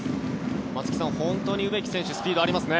松木さん、本当に植木選手スピードありますね。